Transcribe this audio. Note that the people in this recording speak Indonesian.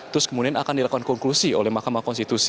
terus kemudian akan dilakukan konklusi oleh mahkamah konstitusi